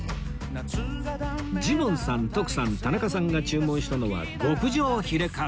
ジモンさん徳さん田中さんが注文したのは極上ヒレかつ